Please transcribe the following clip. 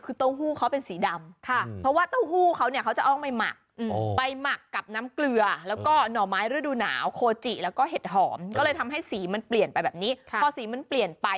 คือเต้าหู้เค้าเป็นสีดำค่ะเพราะว่าเต้าหู้เค้าเนี้ย